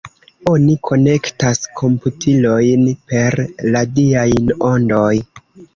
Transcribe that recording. Oni konektas komputilojn per radiaj ondoj.